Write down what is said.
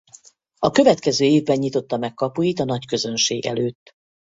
A következő évben nyitotta meg kapuit a nagyközönség előtt.